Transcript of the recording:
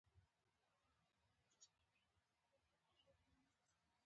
غوښې د افغان تاریخ په کتابونو کې ذکر شوی دي.